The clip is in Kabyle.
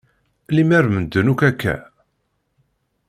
Lemmer medden akk akka.